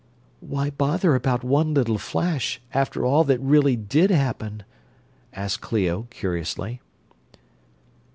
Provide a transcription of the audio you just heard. "Why bother about one little flash, after all that really did happen?" asked Clio, curiously.